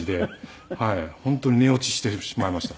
本当に寝落ちしてしまいました。